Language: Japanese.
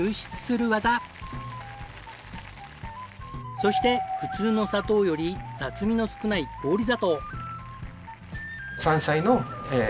そして普通の砂糖より雑味の少ない氷砂糖。